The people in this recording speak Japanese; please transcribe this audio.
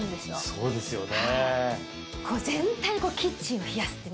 そうですよね。